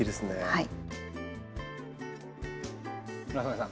はい！